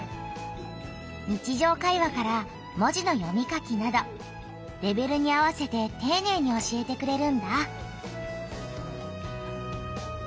日じょう会話から文字の読み書きなどレベルに合わせてていねいに教えてくれるんだ。